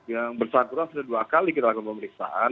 yang bersangkutan sudah dua kali kita lakukan pemeriksaan